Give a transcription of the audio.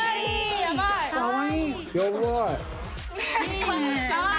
やばい。